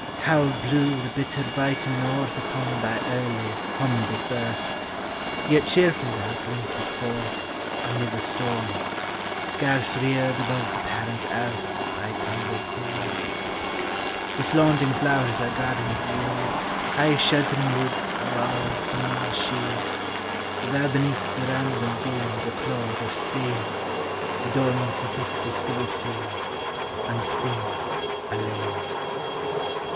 Cauld blew the bitter biting aorth Upon thy early, humble birth : Yei cheerfully thon glinted forth 278 POEMS OF NATURE. Amid the storm, Scarce reared above the parent earth Thy tender form. The flaunting flowers our gardens yield High sheltering woods and wa's maun shield : But thou beneath the random bield O' clod or stane, Adorns the histie stibble field, Unseen, alane.